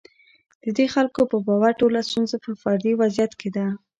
د دې خلکو په باور ټوله ستونزه په فردي وضعیت کې ده.